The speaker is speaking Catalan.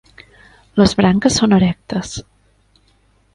Les branques són erectes.